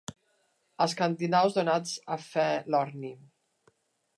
Escandinaus donats a fer l'orni.